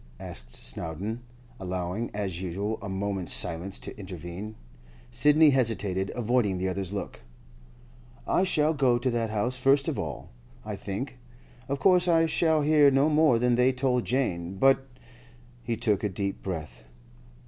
asked Snowdon, allowing, as usual, a moment's silence to intervene. Sidney hesitated, avoiding the other's look. 'I shall go to that house first of all, I think. Of course I shall hear no more than they told Jane; but—' He took a deep breath.